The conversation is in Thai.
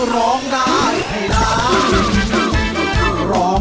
ร้องได้ให้ร้อง